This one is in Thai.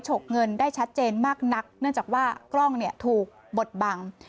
ฉกเงินได้ชัดเจนมากนักเนื่องจากว่ากล้องเนี่ยถูกบดบัง